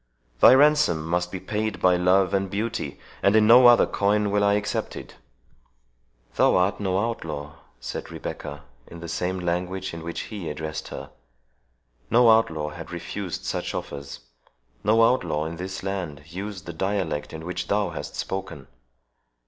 The ransom must be paid by love and beauty, and in no other coin will I accept it." "Thou art no outlaw," said Rebecca, in the same language in which he addressed her; "no outlaw had refused such offers. No outlaw in this land uses the dialect in which thou hast spoken.